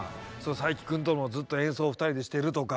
佐伯君とのずっと演奏を２人でしてるとか。